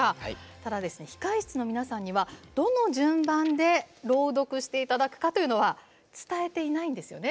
ただ、控え室の皆さんにはどの順番で朗読していただくかというのは伝えていないんですよね。